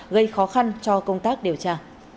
gây khó khăn cho công tác điều tra